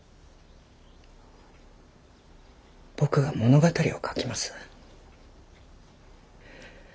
僕が物語を書きます。